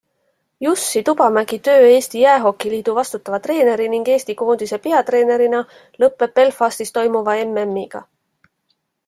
Jussi Tupamäki töö Eesti Jäähokiliidu vastutava treeneri ning Eesti koondise peatreenerina lõppeb Belfastis toimuva MMiga.